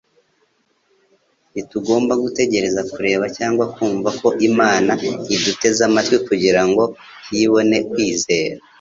Ntitugomba gutegereza kureba cyangwa kumva ko Imana iduteze amatwi kugira ngo hibone kwizera.